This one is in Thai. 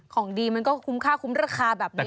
ของดีมันก็คุ้มค่าคุ้มราคาแบบนี้